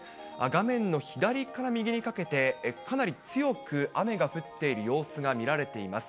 画面の左から右にかけて、かなり強く雨が降っている様子が見られています。